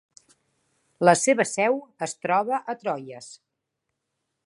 La seva seu es troba a Troyes.